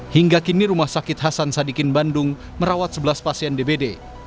hingga kini rumah sakit hasan sadikin bandung merawat sebelas pasien dbd